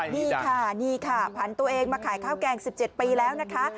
นี่ค่ะนี่ค่ะผันตัวเองมาขายข้าวแกง๑๗ปีแล้วนะคะ